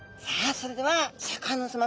それではシャーク香音さま